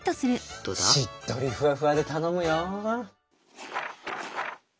しっとりふわふわで頼むよ。